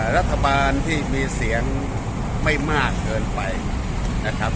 รัฐบาลที่มีเสียงไม่มากเกินไปนะครับ